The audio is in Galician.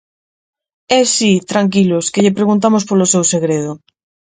E si, tranquilos, que lle preguntamos polo seu segredo.